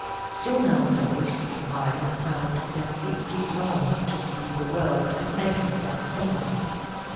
Soon after this Mimer found that Siegfried longed to see the world and make himself famous.